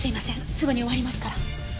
すぐに終わりますから。